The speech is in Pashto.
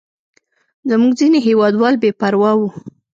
زموږ ځینې هېوادوال بې پروا وو.